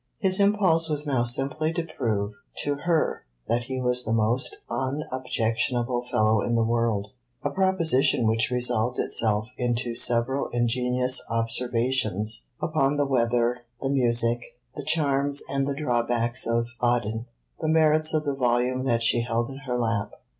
His impulse was now simply to prove to her that he was the most unobjectionable fellow in the world a proposition which resolved itself into several ingenious observations upon the weather, the music, the charms and the drawbacks of Baden, the merits of the volume that she held in her lap.